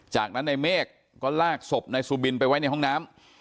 จากนั้นในเมฆก็ลากศพนายสุบินไปไว้ในห้องน้ำ